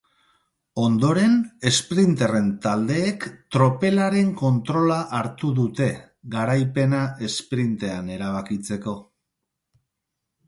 Ondoren, esprinterren taldeek tropelaren kontrola hartu dute, garaipena esprintean erabakitzeko.